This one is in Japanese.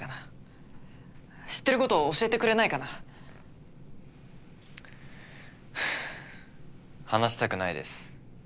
知ってること教えてくれないかな？はあ話したくないです。